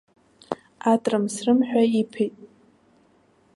Атрым-срым ҳәа иԥеит.